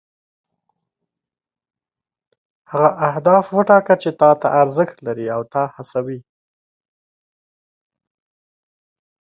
هغه اهداف وټاکه چې تا ته ارزښت لري او تا هڅوي.